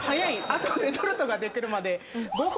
あとレトルトができるまで。